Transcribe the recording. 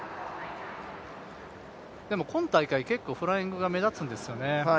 今大会、結構フライングが目立つんですよね。